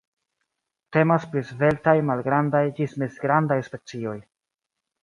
Temas pri sveltaj, malgrandaj ĝis mezgrandaj specioj.